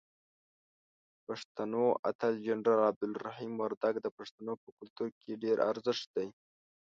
دپښتنو اتل جنرال عبدالرحیم وردک دپښتنو په کلتور کې ډیر درنښت دی.